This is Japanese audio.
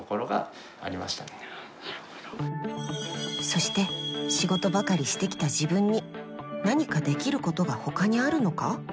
そして仕事ばかりしてきた自分に何かできることがほかにあるのか？